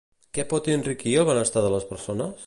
Què pot enriquir el benestar de les persones?